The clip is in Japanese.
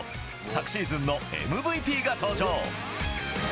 昨シーズンのＭＶＰが登場。